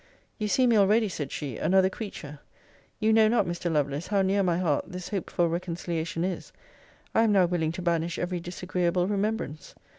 'You see me already,' said she, 'another creature. You know not, Mr. Lovelace, how near my heart this hoped for reconciliation is. I am now willing to banish every disagreeable remembrance.